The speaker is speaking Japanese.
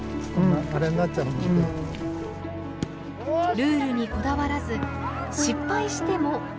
ルールにこだわらず失敗しても笑い飛ばす。